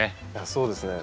そうですね。